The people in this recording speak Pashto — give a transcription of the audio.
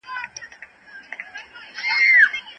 خاموشي به بیا راشي.